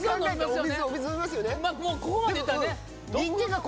もうここまで言ったらね。